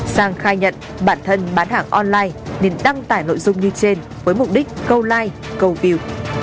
sang khai nhận bản thân bán hàng online nên đăng tải nội dung như trên với mục đích câu like câu view